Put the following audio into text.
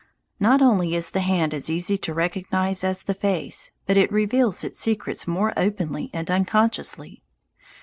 Not only is the hand as easy to recognize as the face, but it reveals its secrets more openly and unconsciously.